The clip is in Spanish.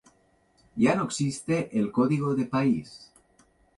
Ya no existe el código de país.